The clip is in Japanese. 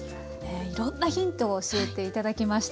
いろんなヒントを教えていただきました。